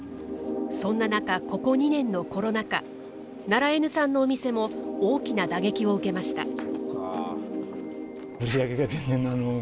そんな中、ここ２年のコロナ禍ナラエヌさんのお店も大きな打撃を受けました。